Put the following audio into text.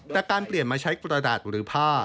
แต่การเปลี่ยนมาใช้กระดาษหรือผ้า